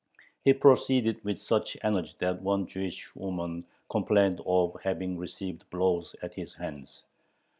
He proceeded with such energy that one Jewish woman complained of having received blows at his hands.